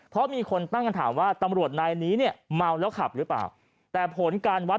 เพราะมีคนตั้งคำถามว่าตำรวจนายนี้เนี่ยเมาแล้วขับหรือเปล่าแต่ผลการวัด